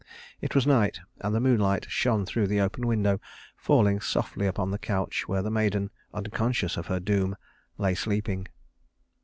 It was night, and the moonlight shone through the open window, falling softly upon the couch where the maiden, unconscious of her doom, lay sleeping.